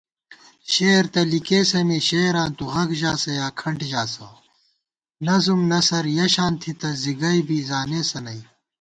شعر تہ لِکېسہ می شعراں تُو غگ ژاسہ یا کھنٹ ژاسہ * نظم نثر یَہ شان تھِتہ زِگئی بی زانېسہ نئ